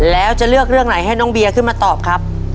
แล้วจะเลือกเรื่องไหนให้น้องเบียขึ้นมาตอบครับ